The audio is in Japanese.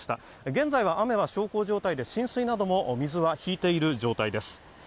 現在は雨は小康状態で浸水なども水が引いている状態です。